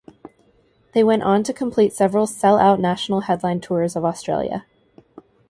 They went on to complete several sell out national headline tours of Australia.